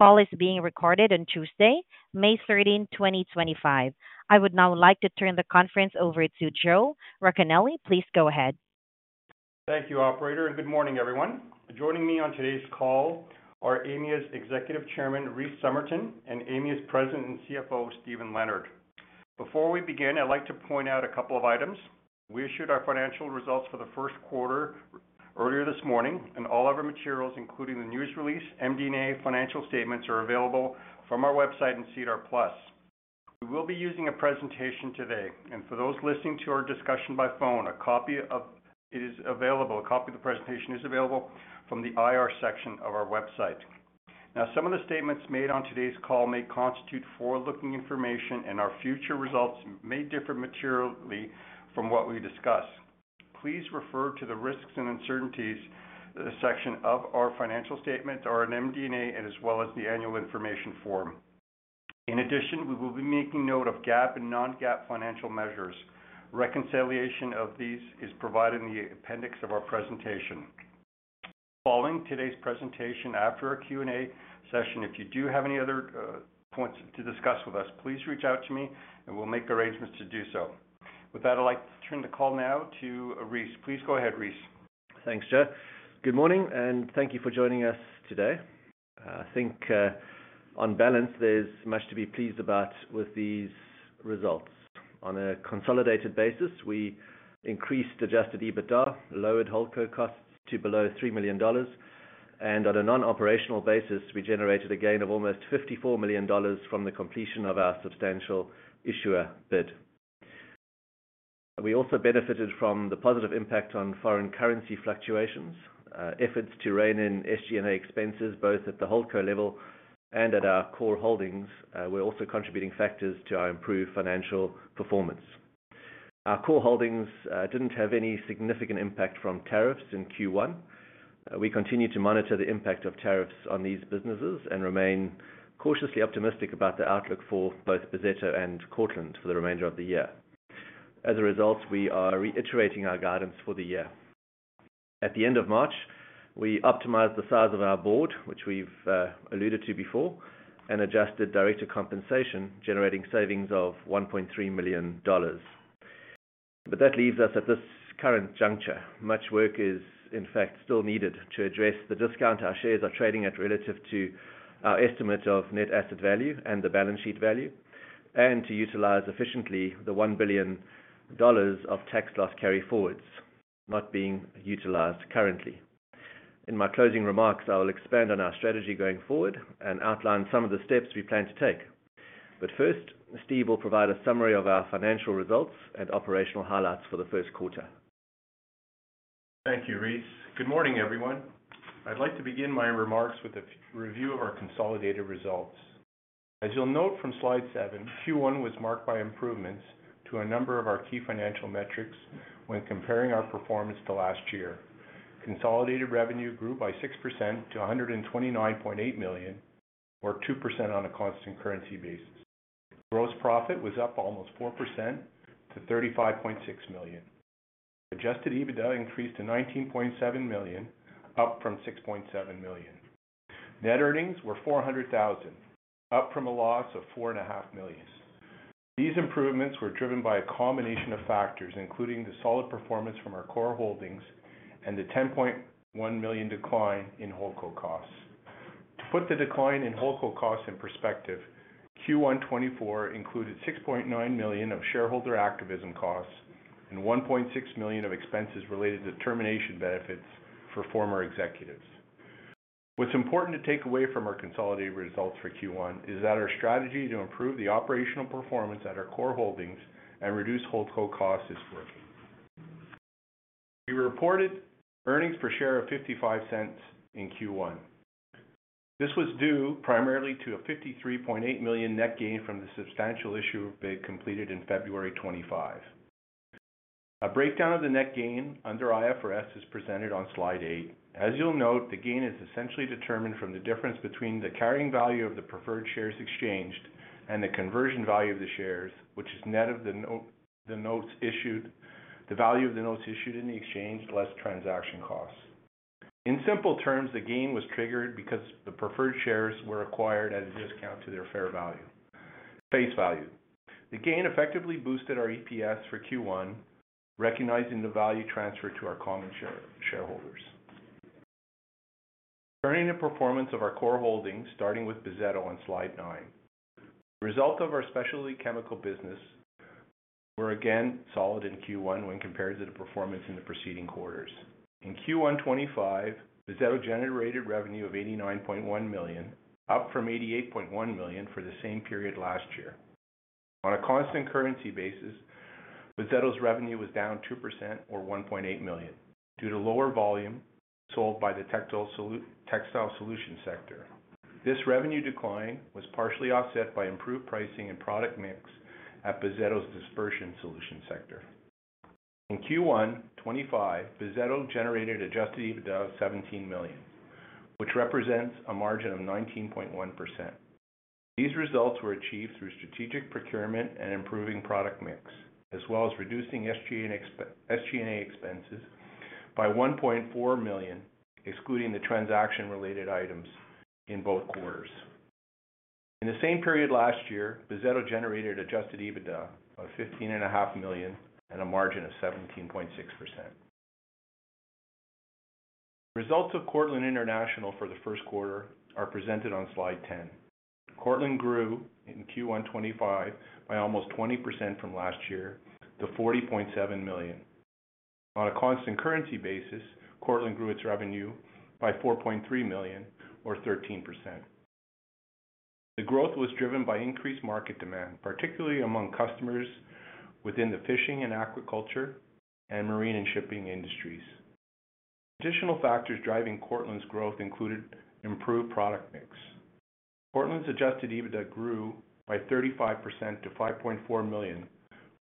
Call is being recorded on Tuesday, May 13, 2025. I would now like to turn the conference over to Joe Racanelli, please go ahead. Thank you, Operator, and good morning, everyone. Joining me on today's call are Aimia's Executive Chairman, Rhys Summerton, and Aimia's President and CFO, Steven Leonard. Before we begin, I'd like to point out a couple of items. We issued our financial results for the first quarter earlier this morning, and all of our materials, including the news release, MD&A, financial statements, are available from our website and SEDAR Plus. We will be using a presentation today, and for those listening to our discussion by phone, a copy of it is available, a copy of the presentation is available from the IR section of our website. Now, some of the statements made on today's call may constitute forward-looking information, and our future results may differ materially from what we discuss. Please refer to the risks and uncertainties section of our financial statements, our MD&A, as well as the annual information form. In addition, we will be making note of GAAP and non-GAAP financial measures. Reconciliation of these is provided in the appendix of our presentation. Following today's presentation, after our Q&A session, if you do have any other points to discuss with us, please reach out to me, and we'll make arrangements to do so. With that, I'd like to turn the call now to Rhys. Please go ahead, Rhys. Thanks, Joe. Good morning, and thank you for joining us today. I think, on balance, there's much to be pleased about with these results. On a consolidated basis, we increased adjusted EBITDA, lowered whole co-costs to below 3 million dollars, and on a non-operational basis, we generated a gain of almost 54 million dollars from the completion of our substantial issuer bid. We also benefited from the positive impact on foreign currency fluctuations. Efforts to rein in SG&A expenses, both at the whole co level and at our core holdings, were also contributing factors to our improved financial performance. Our core holdings did not have any significant impact from tariffs in Q1. We continue to monitor the impact of tariffs on these businesses and remain cautiously optimistic about the outlook for both Bozzetto and Courtland for the remainder of the year. As a result, we are reiterating our guidance for the year. At the end of March, we optimized the size of our board, which we've alluded to before, and adjusted director compensation, generating savings of 1.3 million dollars. That leaves us at this current juncture. Much work is, in fact, still needed to address the discount our shares are trading at relative to our estimate of net asset value and the balance sheet value, and to utilize efficiently the 1 billion dollars of tax loss carry forwards not being utilized currently. In my closing remarks, I will expand on our strategy going forward and outline some of the steps we plan to take. First, Steve will provide a summary of our financial results and operational highlights for the first quarter. Thank you, Rhys. Good morning, everyone. I'd like to begin my remarks with a review of our consolidated results. As you'll note from slide seven, Q1 was marked by improvements to a number of our key financial metrics when comparing our performance to last year. Consolidated revenue grew by 6% to 129.8 million, or 2% on a constant currency basis. Gross profit was up almost 4% to 35.6 million. Adjusted EBITDA increased to 19.7 million, up from 6.7 million. Net earnings were 400,000, up from a loss of 4.5 million. These improvements were driven by a combination of factors, including the solid performance from our core holdings and the 10.1 million decline in whole co-costs. To put the decline in whole co-costs in perspective, Q1 2024 included 6.9 million of shareholder activism costs and 1.6 million of expenses related to termination benefits for former executives. What's important to take away from our consolidated results for Q1 is that our strategy to improve the operational performance at our core holdings and reduce whole co-costs is working. We reported earnings per share of 0.55 in Q1. This was due primarily to a 53.8 million net gain from the substantial issuer bid completed in February 2025. A breakdown of the net gain under IFRS is presented on slide eight. As you'll note, the gain is essentially determined from the difference between the carrying value of the preferred shares exchanged and the conversion value of the shares, which is net of the notes issued, the value of the notes issued in the exchange less transaction costs. In simple terms, the gain was triggered because the preferred shares were acquired at a discount to their fair value, face value. The gain effectively boosted our EPS for Q1, recognizing the value transferred to our common shareholders. Turning to performance of our core holdings, starting with Bozzetto on slide nine, the result of our specialty chemical business was again solid in Q1 when compared to the performance in the preceding quarters. In Q1 2025, Bozzetto generated revenue of 89.1 million, up from 88.1 million for the same period last year. On a constant currency basis, Bozzetto's revenue was down 2%, or 1.8 million, due to lower volume sold by the textile solution sector. This revenue decline was partially offset by improved pricing and product mix at Bozzetto's dispersion solution sector. In Q1 2025, Bozzetto generated adjusted EBITDA of 17 million, which represents a margin of 19.1%. These results were achieved through strategic procurement and improving product mix, as well as reducing SG&A expenses by 1.4 million, excluding the transaction-related items in both quarters. In the same period last year, Bozzetto generated adjusted EBITDA of 15.5 million and a margin of 17.6%. Results of Courtland International for the first quarter are presented on slide ten. Courtland grew in Q1 2025 by almost 20% from last year to 40.7 million. On a constant currency basis, Courtland grew its revenue by 4.3 million, or 13%. The growth was driven by increased market demand, particularly among customers within the fishing and aquaculture and marine and shipping industries. Additional factors driving Courtland's growth included improved product mix. Courtland's adjusted EBITDA grew by 35% to 5.4 million,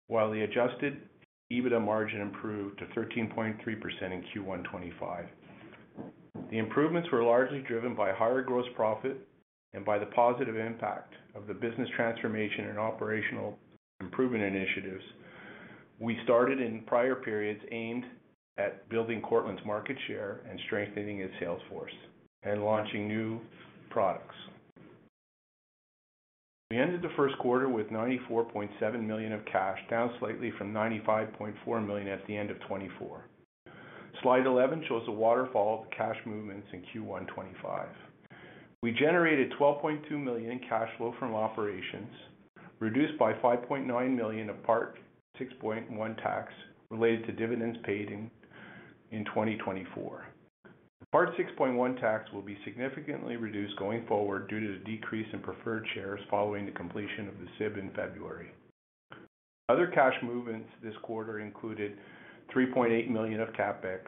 while the adjusted EBITDA margin improved to 13.3% in Q1 2025. The improvements were largely driven by higher gross profit and by the positive impact of the business transformation and operational improvement initiatives we started in prior periods aimed at building Courtland's market share and strengthening its sales force and launching new products. We ended the first quarter with 94.7 million of cash, down slightly from 95.4 million at the end of 2024. Slide 11 shows a waterfall of the cash movements in Q1 2025. We generated 12.2 million in cash flow from operations, reduced by 5.9 million of part 6.1 tax related to dividends paid in 2024. Part 6.1 tax will be significantly reduced going forward due to the decrease in preferred shares following the completion of the SIB in February. Other cash movements this quarter included 3.8 million of CapEx,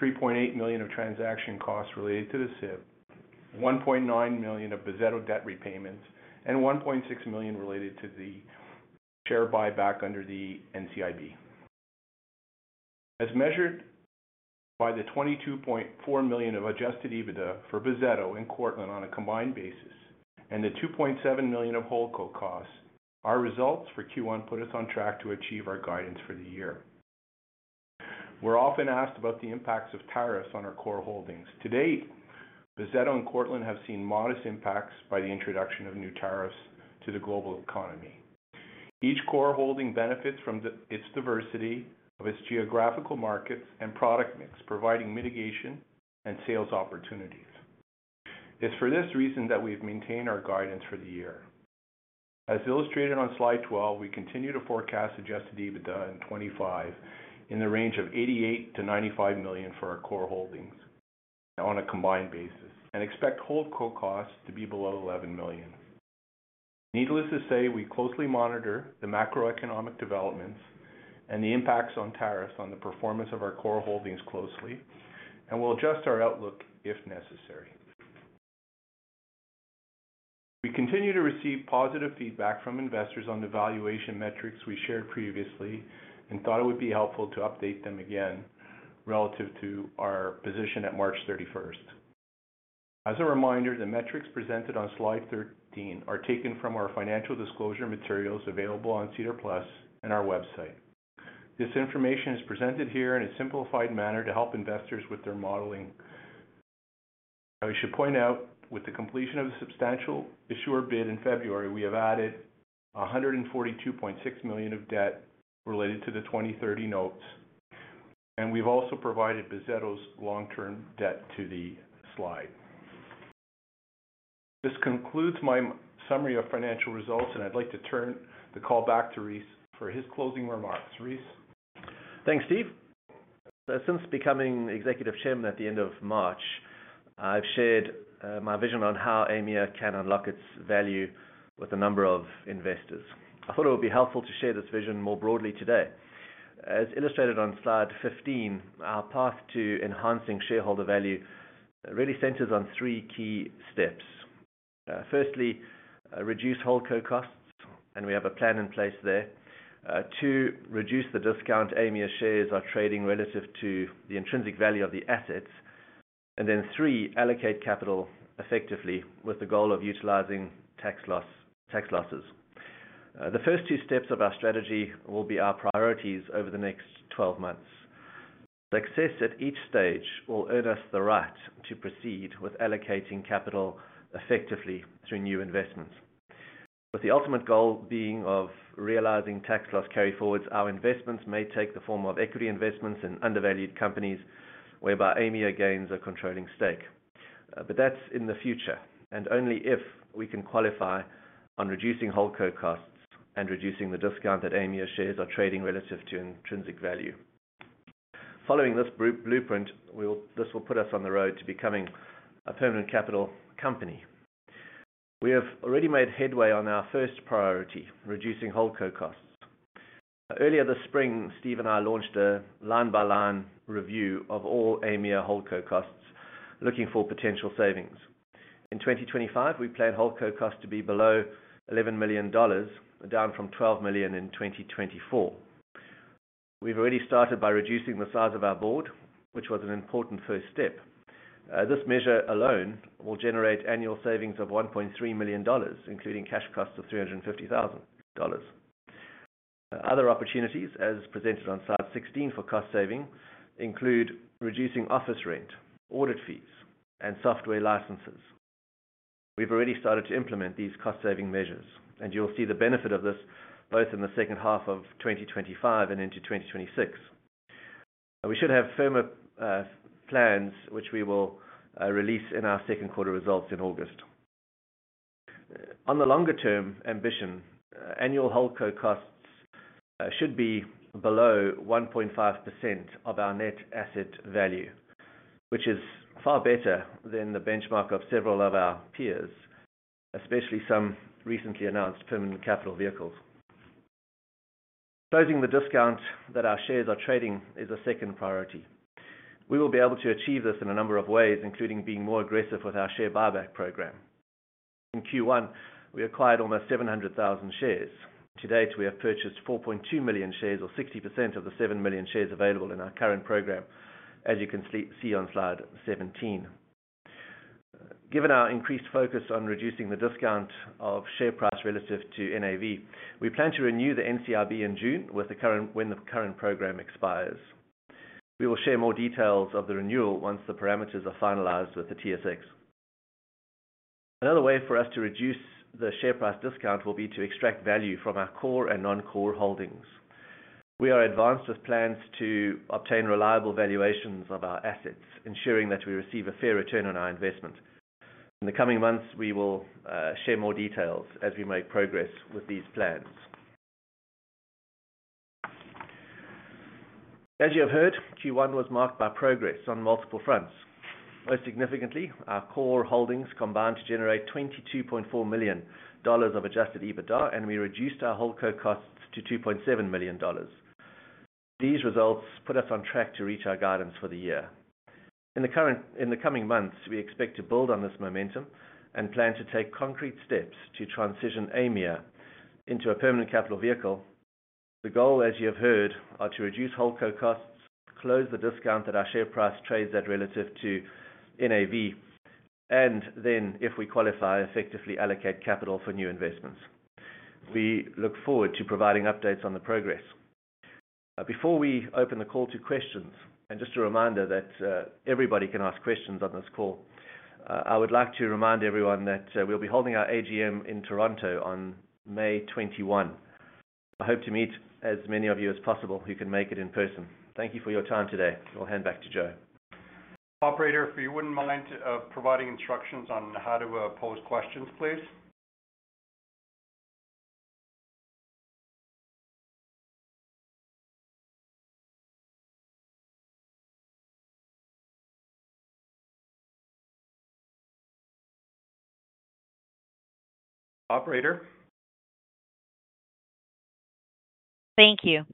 3.8 million of transaction costs related to the SIB, 1.9 million of Bozzetto debt repayments, and 1.6 million related to the share buyback under the NCIB. As measured by the 22.4 million of adjusted EBITDA for Bozzetto and Courtland on a combined basis and the 2.7 million of whole co-costs, our results for Q1 put us on track to achieve our guidance for the year. We're often asked about the impacts of tariffs on our core holdings. To date, Bozzetto and Courtland have seen modest impacts by the introduction of new tariffs to the global economy. Each core holding benefits from its diversity of its geographical markets and product mix, providing mitigation and sales opportunities. It's for this reason that we've maintained our guidance for the year. As illustrated on slide 12, we continue to forecast adjusted EBITDA in 2025 in the range of 88 million-95 million for our core holdings on a combined basis and expect whole co-costs to be below 11 million. Needless to say, we closely monitor the macroeconomic developments and the impacts on tariffs on the performance of our core holdings closely, and we will adjust our outlook if necessary. We continue to receive positive feedback from investors on the valuation metrics we shared previously and thought it would be helpful to update them again relative to our position at March 31. As a reminder, the metrics presented on slide 13 are taken from our financial disclosure materials available on SEDAR Plus and our website. This information is presented here in a simplified manner to help investors with their modeling. I should point out, with the completion of the substantial issuer bid in February, we have added 142.6 million of debt related to the 2030 notes, and we've also provided Bozzetto's long-term debt to the slide. This concludes my summary of financial results, and I'd like to turn the call back to Rhys for his closing remarks. Rhys. Thanks, Steve. Since becoming Executive Chairman at the end of March, I've shared my vision on how Aimia can unlock its value with a number of investors. I thought it would be helpful to share this vision more broadly today. As illustrated on slide 15, our path to enhancing shareholder value really centers on three key steps. Firstly, reduce whole co-costs, and we have a plan in place there. Two, reduce the discount Aimia shares are trading relative to the intrinsic value of the assets. Three, allocate capital effectively with the goal of utilizing tax losses. The first two steps of our strategy will be our priorities over the next 12 months. Success at each stage will earn us the right to proceed with allocating capital effectively through new investments, with the ultimate goal being of realizing tax loss carry forwards. Our investments may take the form of equity investments in undervalued companies, whereby Aimia gains a controlling stake. That is in the future, and only if we can qualify on reducing whole co-costs and reducing the discount that Aimia shares are trading relative to intrinsic value. Following this blueprint, this will put us on the road to becoming a permanent capital company. We have already made headway on our first priority, reducing whole co-costs. Earlier this spring, Steve and I launched a line-by-line review of all Aimia whole co-costs, looking for potential savings. In 2025, we plan whole co-costs to be below 11 million dollars, down from 12 million in 2024. We have already started by reducing the size of our board, which was an important first step. This measure alone will generate annual savings of 1.3 million dollars, including cash costs of 350,000 dollars. Other opportunities, as presented on slide 16 for cost saving, include reducing office rent, audit fees, and software licenses. We've already started to implement these cost-saving measures, and you'll see the benefit of this both in the second half of 2025 and into 2026. We should have firmer plans, which we will release in our second quarter results in August. On the longer-term ambition, annual whole co-costs should be below 1.5% of our net asset value, which is far better than the benchmark of several of our peers, especially some recently announced permanent capital vehicles. Closing the discount that our shares are trading is a second priority. We will be able to achieve this in a number of ways, including being more aggressive with our share buyback program. In Q1, we acquired almost 700,000 shares. To date, we have purchased 4.2 million shares, or 60% of the 7 million shares available in our current program, as you can see on slide 17. Given our increased focus on reducing the discount of share price relative to NAV, we plan to renew the NCIB in June when the current program expires. We will share more details of the renewal once the parameters are finalized with the TSX. Another way for us to reduce the share price discount will be to extract value from our core and non-core holdings. We are advanced with plans to obtain reliable valuations of our assets, ensuring that we receive a fair return on our investment. In the coming months, we will share more details as we make progress with these plans. As you have heard, Q1 was marked by progress on multiple fronts. Most significantly, our core holdings combined to generate 22.4 million dollars of adjusted EBITDA, and we reduced our whole co-costs to 2.7 million dollars. These results put us on track to reach our guidance for the year. In the coming months, we expect to build on this momentum and plan to take concrete steps to transition Aimia into a permanent capital vehicle. The goal, as you have heard, is to reduce whole co-costs, close the discount that our share price trades at relative to NAV, and then, if we qualify, effectively allocate capital for new investments. We look forward to providing updates on the progress. Before we open the call to questions, and just a reminder that everybody can ask questions on this call, I would like to remind everyone that we'll be holding our AGM in Toronto on May 21. I hope to meet as many of you as possible who can make it in person. Thank you for your time today. We'll hand back to Joe. Operator, if you would not mind providing instructions on how to pose questions, please. Operator. Thank you.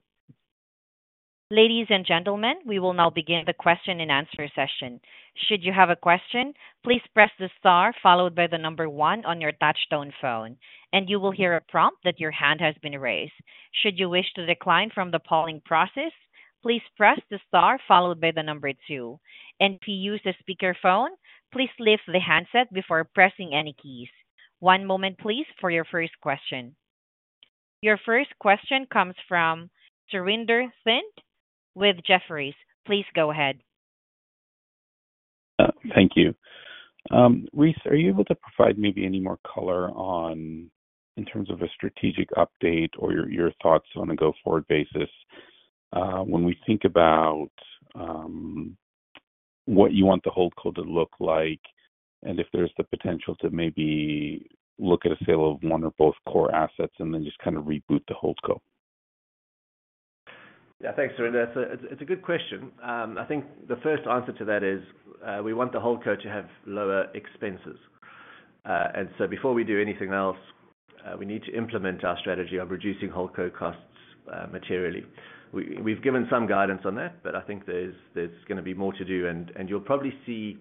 Ladies and gentlemen, we will now begin the question-and-answer session. Should you have a question, please press the star followed by the number one on your touchstone phone, and you will hear a prompt that your hand has been raised. Should you wish to decline from the polling process, please press the star followed by the number two. If you use a speakerphone, please lift the handset before pressing any keys. One moment, please, for your first question. Your first question comes from Surinder Thint with Jefferies. Please go ahead. Thank you. Rhys, are you able to provide maybe any more color in terms of a strategic update or your thoughts on a go-forward basis when we think about what you want the whole co to look like and if there's the potential to maybe look at a sale of one or both core assets and then just kind of reboot the whole co? Yeah, thanks, Surinder. It's a good question. I think the first answer to that is we want the whole co to have lower expenses. Before we do anything else, we need to implement our strategy of reducing whole co costs materially. We've given some guidance on that, but I think there's going to be more to do, and you'll probably see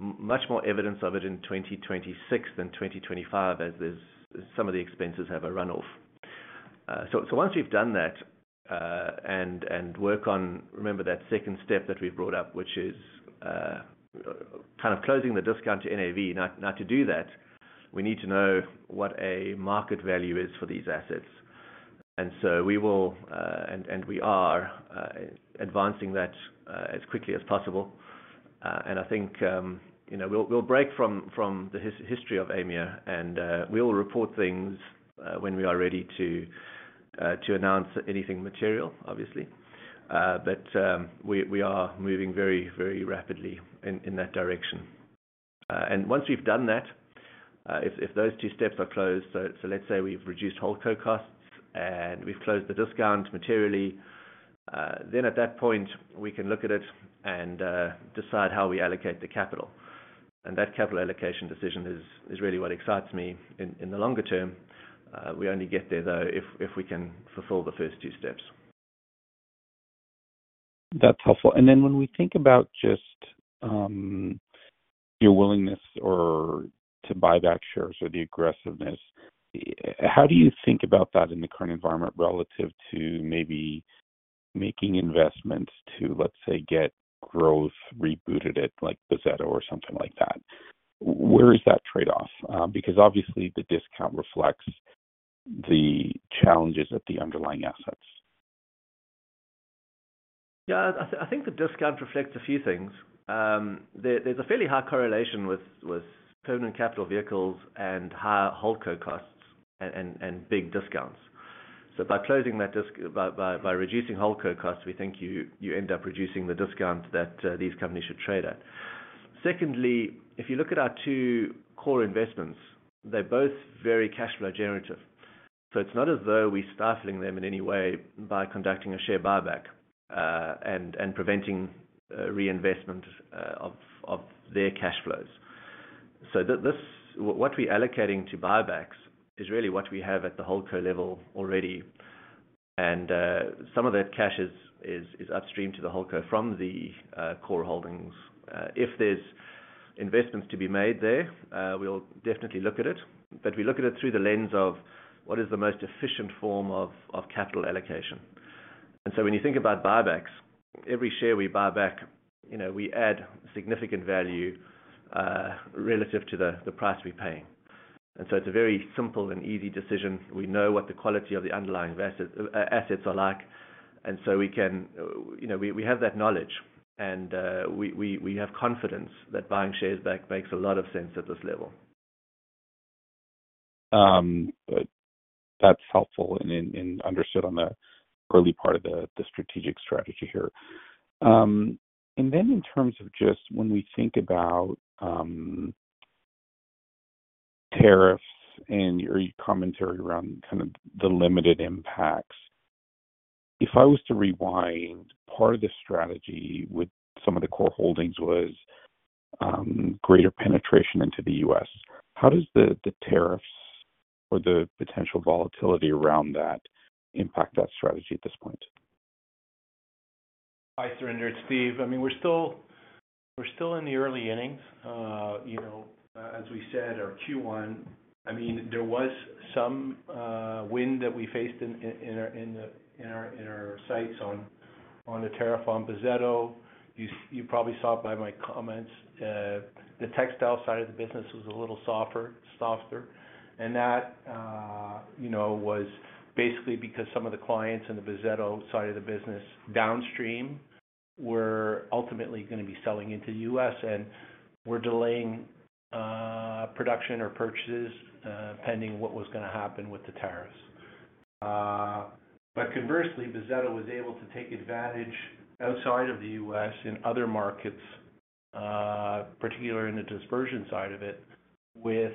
much more evidence of it in 2026 than 2025 as some of the expenses have a run-off. Once we've done that and work on, remember, that second step that we've brought up, which is kind of closing the discount to NAV, now to do that, we need to know what a market value is for these assets. We will, and we are, advancing that as quickly as possible. I think we'll break from the history of Aimia, and we will report things when we are ready to announce anything material, obviously. We are moving very, very rapidly in that direction. Once we've done that, if those two steps are closed, so let's say we've reduced whole co costs and we've closed the discount materially, at that point, we can look at it and decide how we allocate the capital. That capital allocation decision is really what excites me in the longer term. We only get there, though, if we can fulfill the first two steps. That's helpful. When we think about just your willingness to buy back shares or the aggressiveness, how do you think about that in the current environment relative to maybe making investments to, let's say, get growth rebooted at Bozzetto or something like that? Where is that trade-off? Because obviously, the discount reflects the challenges at the underlying assets. Yeah, I think the discount reflects a few things. There's a fairly high correlation with permanent capital vehicles and higher whole co-costs and big discounts. By closing that, by reducing whole co-costs, we think you end up reducing the discount that these companies should trade at. Secondly, if you look at our two core investments, they're both very cash flow generative. It's not as though we're stifling them in any way by conducting a share buyback and preventing reinvestment of their cash flows. What we're allocating to buybacks is really what we have at the whole co level already. Some of that cash is upstream to the whole co from the core holdings. If there's investments to be made there, we'll definitely look at it. We look at it through the lens of what is the most efficient form of capital allocation. When you think about buybacks, every share we buy back, we add significant value relative to the price we're paying. It is a very simple and easy decision. We know what the quality of the underlying assets are like. We have that knowledge, and we have confidence that buying shares back makes a lot of sense at this level. That's helpful and understood on the early part of the strategic strategy here. In terms of just when we think about tariffs and your commentary around kind of the limited impacts, if I was to rewind, part of the strategy with some of the core holdings was greater penetration into the US. How does the tariffs or the potential volatility around that impact that strategy at this point? Hi, Surinder. It's Steve. I mean, we're still in the early innings. As we said, our Q1, I mean, there was some wind that we faced in our sights on the tariff on Bozzetto. You probably saw it by my comments. The textile side of the business was a little softer. That was basically because some of the clients in the Bozzetto side of the business downstream were ultimately going to be selling into the U.S., and were delaying production or purchases pending what was going to happen with the tariffs. Conversely, Bozzetto was able to take advantage outside of the U.S. in other markets, particularly in the dispersion side of it, with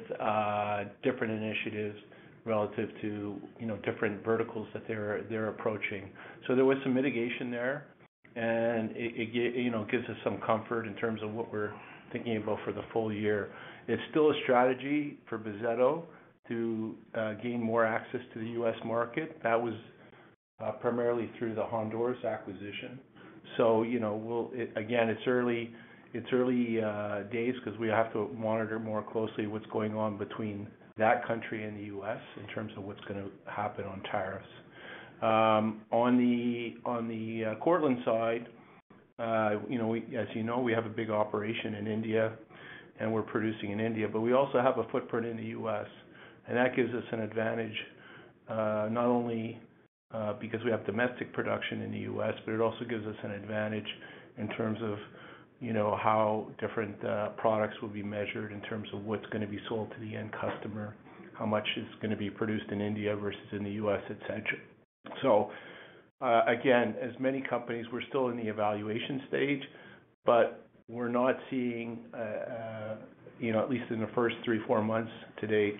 different initiatives relative to different verticals that they're approaching. There was some mitigation there, and it gives us some comfort in terms of what we're thinking about for the full year. It's still a strategy for Bozzetto to gain more access to the US market. That was primarily through the Honduras acquisition. Again, it's early days because we have to monitor more closely what's going on between that country and the US in terms of what's going to happen on tariffs. On the Courtland side, as you know, we have a big operation in India, and we're producing in India, but we also have a footprint in the U.S. That gives us an advantage not only because we have domestic production in the U.S., but it also gives us an advantage in terms of how different products will be measured in terms of what's going to be sold to the end customer, how much is going to be produced in India versus in the U.S., etc. Again, as many companies, we're still in the evaluation stage, but we're not seeing, at least in the first three or four months to date,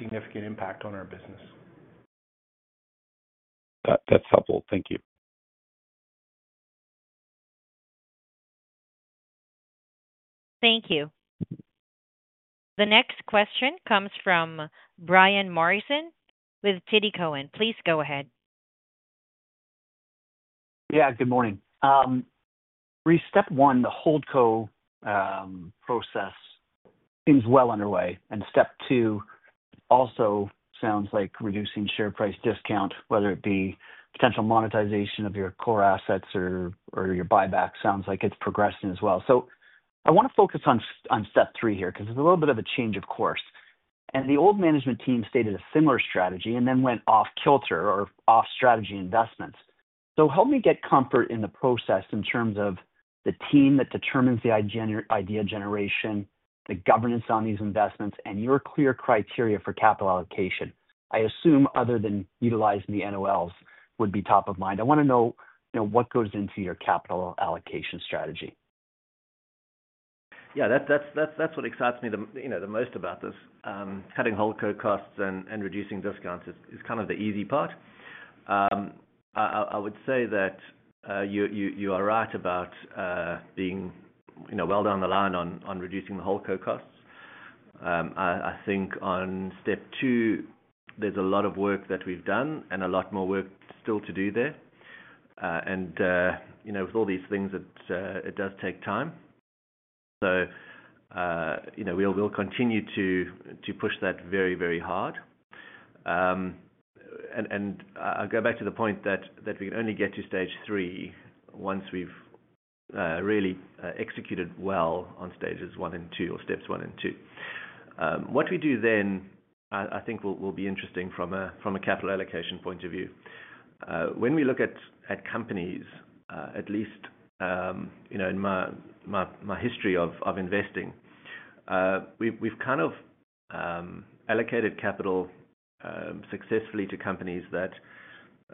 significant impact on our business. That's helpful. Thank you. Thank you. The next question comes from Brian Morrison with Titi Cohen. Please go ahead. Yeah, good morning. Rhys, step one, the holdco process seems well underway. Step two also sounds like reducing share price discount, whether it be potential monetization of your core assets or your buyback, sounds like it's progressing as well. I want to focus on step three here because it's a little bit of a change of course. The old management team stated a similar strategy and then went off kilter or off strategy investments. Help me get comfort in the process in terms of the team that determines the idea generation, the governance on these investments, and your clear criteria for capital allocation. I assume other than utilizing the NOLs would be top of mind. I want to know what goes into your capital allocation strategy. Yeah, that's what excites me the most about this. Cutting whole co costs and reducing discounts is kind of the easy part. I would say that you are right about being well down the line on reducing the whole co costs. I think on step two, there is a lot of work that we have done and a lot more work still to do there. With all these things, it does take time. We will continue to push that very, very hard. I will go back to the point that we can only get to stage three once we have really executed well on stages one and two or steps one and two. What we do then, I think, will be interesting from a capital allocation point of view. When we look at companies, at least in my history of investing, we've kind of allocated capital successfully to companies that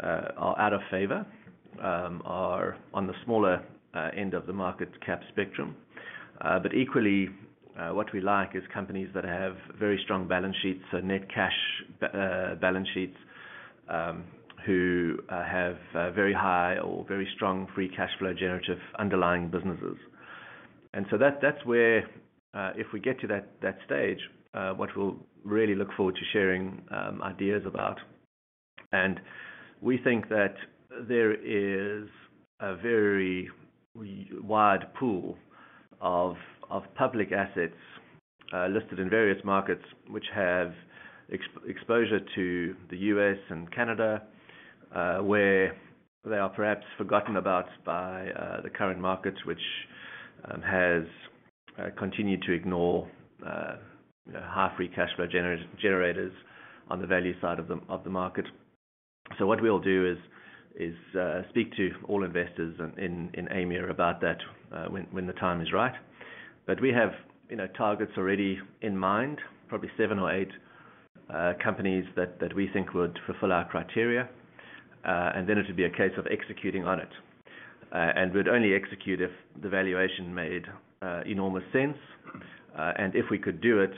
are out of favor, are on the smaller end of the market cap spectrum. Equally, what we like is companies that have very strong balance sheets, so net cash balance sheets, who have very high or very strong free cash flow generative underlying businesses. That is where, if we get to that stage, what we'll really look forward to sharing ideas about. We think that there is a very wide pool of public assets listed in various markets which have exposure to the U.S. and Canada, where they are perhaps forgotten about by the current markets, which has continued to ignore high free cash flow generators on the value side of the market. What we'll do is speak to all investors in Aimia about that when the time is right. We have targets already in mind, probably seven or eight companies that we think would fulfill our criteria. It would be a case of executing on it. We'd only execute if the valuation made enormous sense. If we could do it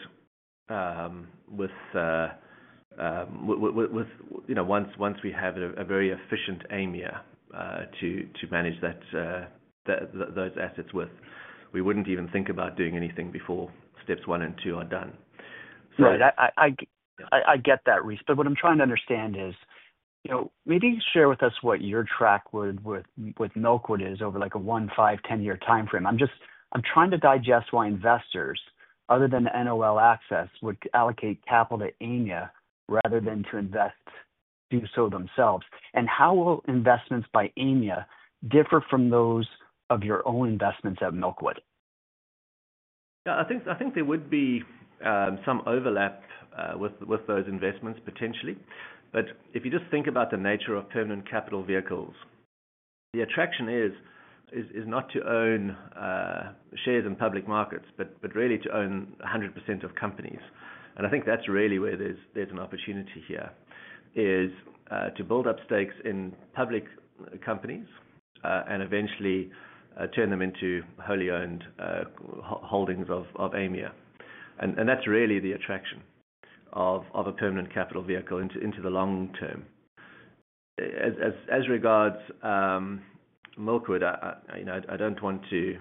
once we have a very efficient Aimia to manage those assets with, we wouldn't even think about doing anything before steps one and two are done. Right. I get that, Rhys. What I'm trying to understand is maybe share with us what your track with Milkwood is over a one, five, ten-year timeframe. I'm trying to digest why investors, other than NOL access, would allocate capital to Aimia rather than to invest to do so themselves. How will investments by Aimia differ from those of your own investments at Milkwood? Yeah. I think there would be some overlap with those investments, potentially. If you just think about the nature of permanent capital vehicles, the attraction is not to own shares in public markets, but really to own 100% of companies. I think that's really where there's an opportunity here, is to build up stakes in public companies and eventually turn them into wholly owned holdings of Aimia. That's really the attraction of a permanent capital vehicle into the long term. As regards Milkwood, I don't want to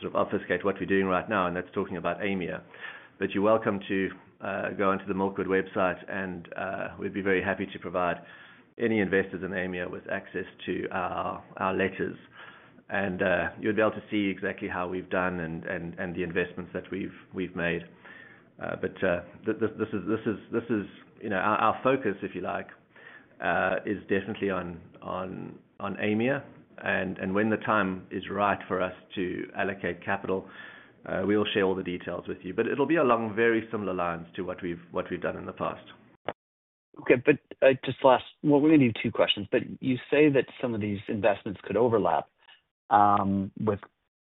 sort of obfuscate what we're doing right now, and that's talking about Aimia. You're welcome to go into the Milkwood website, and we'd be very happy to provide any investors in Aimia with access to our letters. You'll be able to see exactly how we've done and the investments that we've made. This is our focus, if you like, is definitely on Aimia. When the time is right for us to allocate capital, we will share all the details with you. It'll be along very similar lines to what we've done in the past. Just last, we're going to do two questions. You say that some of these investments could overlap with,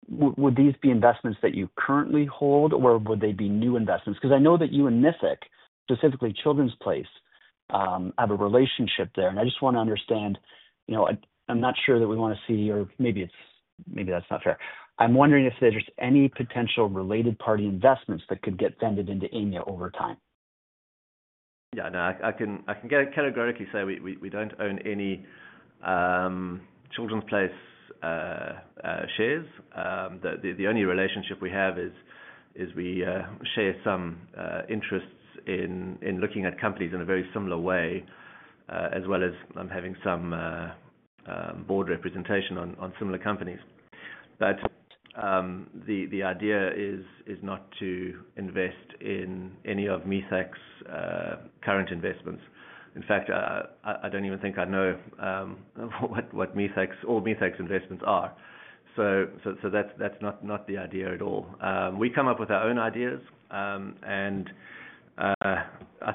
would these be investments that you currently hold, or would they be new investments? I know that you and Mithick, specifically Children's Place, have a relationship there. I just want to understand. I'm not sure that we want to see, or maybe that's not fair. I'm wondering if there's any potential related party investments that could get fended into Aimia over time. Yeah. No, I can categorically say we don't own any Children's Place shares. The only relationship we have is we share some interests in looking at companies in a very similar way, as well as having some board representation on similar companies. The idea is not to invest in any of Milkwood's current investments. In fact, I don't even think I know what all Milkwood's investments are. That's not the idea at all. We come up with our own ideas. I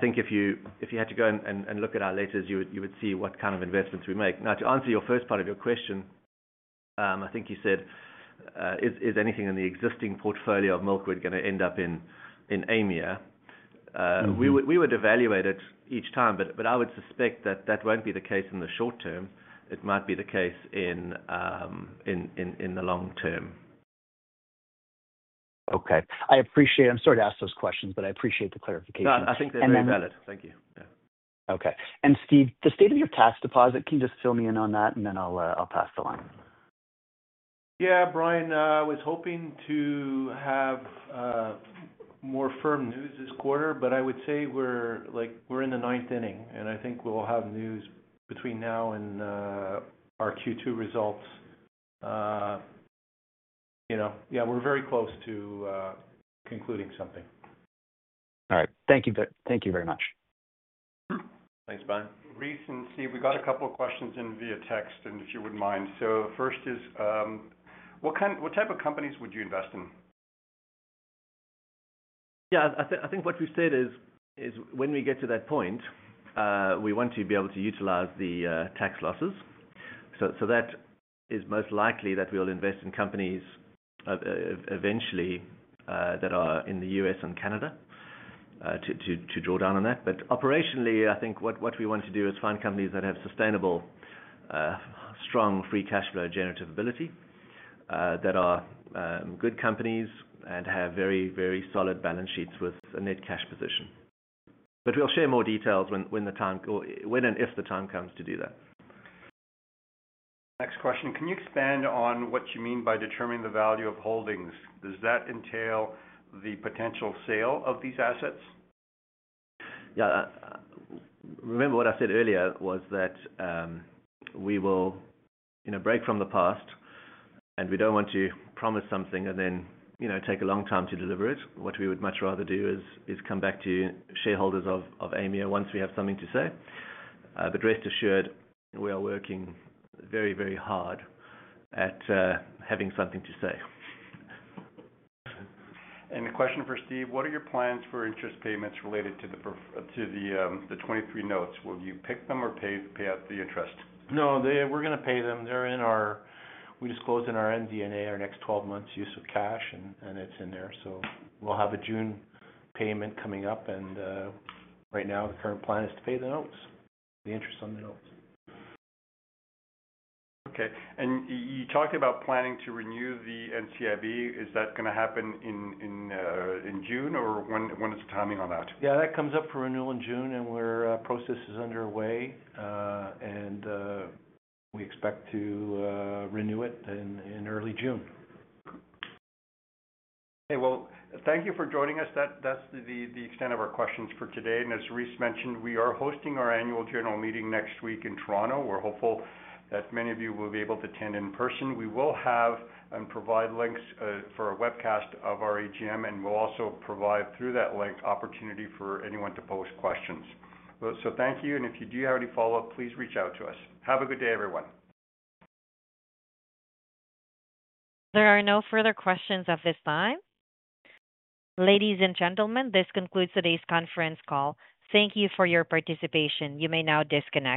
think if you had to go and look at our letters, you would see what kind of investments we make. Now, to answer your first part of your question, I think you said, is anything in the existing portfolio of Milkwood going to end up in Aimia? We would evaluate it each time, but I would suspect that that won't be the case in the short term. It might be the case in the long term. Okay. I appreciate it. I'm sorry to ask those questions, but I appreciate the clarification. I think they're very valid. Thank you. Yeah. Okay. Steve, the state of your tax deposit, can you just fill me in on that, and then I'll pass the line? Yeah. Brian was hoping to have more firm news this quarter, but I would say we're in the ninth inning. I think we'll have news between now and our Q2 results. Yeah, we're very close to concluding something. All right. Thank you very much. Thanks, Brian. Rhys and Steve, we got a couple of questions in via text, and if you wouldn't mind. First is, what type of companies would you invest in? Yeah. I think what we've said is when we get to that point, we want to be able to utilize the tax losses. That is most likely that we'll invest in companies eventually that are in the U.S. and Canada to draw down on that. Operationally, I think what we want to do is find companies that have sustainable, strong free cash flow generative ability, that are good companies, and have very, very solid balance sheets with a net cash position. We'll share more details when and if the time comes to do that. Next question. Can you expand on what you mean by determining the value of holdings? Does that entail the potential sale of these assets? Yeah. Remember what I said earlier was that we will break from the past, and we don't want to promise something and then take a long time to deliver it. What we would much rather do is come back to shareholders of Aimia once we have something to say. Rest assured, we are working very, very hard at having something to say. A question for Steve. What are your plans for interest payments related to the 23 notes? Will you pick them or pay out the interest? No. We are going to pay them. We disclose in our MD&A our next 12 months' use of cash, and it is in there. We will have a June payment coming up. Right now, the current plan is to pay the notes, the interest on the notes. You talked about planning to renew the NCIB. Is that going to happen in June, or when is the timing on that? Yes. That comes up for renewal in June, and our process is underway. We expect to renew it in early June. Thank you for joining us. That is the extent of our questions for today. As Rhys mentioned, we are hosting our annual general meeting next week in Toronto. We are hopeful that many of you will be able to attend in person. We will have and provide links for a webcast of our AGM, and we will also provide through that link opportunity for anyone to post questions. Thank you. If you do have any follow-up, please reach out to us. Have a good day, everyone. There are no further questions at this time. Ladies and gentlemen, this concludes today's conference call. Thank you for your participation. You may now disconnect.